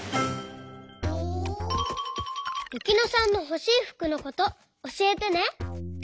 ゆきのさんのほしいふくのことおしえてね。